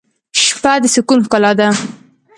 شپه د سکون ښکلا ده.